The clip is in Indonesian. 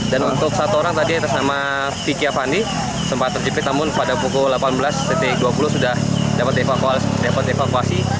dan untuk satu orang tadi yang tersama vicky apandi sempat terjepit namun pada pukul delapan belas dua puluh sudah dapat dievakuasi